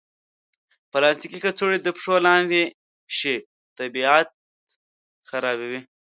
پلاستيکي کڅوړې د پښو لاندې شي، طبیعت خرابوي.